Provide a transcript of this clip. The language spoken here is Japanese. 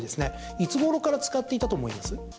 いつごろから使っていたと思います？